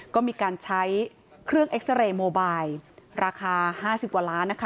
ก็มีการใช้เครื่องเอ็กซาเรย์โมบายราคา๕๐กว่าล้านนะคะ